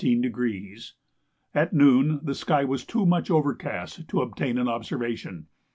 At noon the sky was too much overcast to obtain an observation.